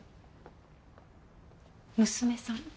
娘さん？